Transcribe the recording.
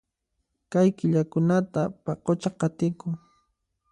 Kay killakunata paqucha qatikun